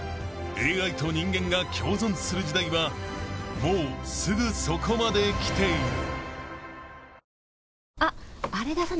［ＡＩと人間が共存する時代はもうすぐそこまで来ている］